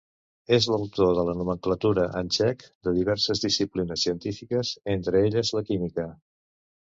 És l'autor de la nomenclatura en txec de diverses disciplines científiques, entre elles la química.